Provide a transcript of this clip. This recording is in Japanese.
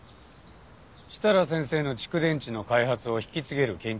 設楽先生の蓄電池の開発を引き継げる研究者を探す。